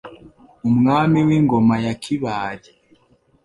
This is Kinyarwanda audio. Umwami w'Ingoma ya Kibali,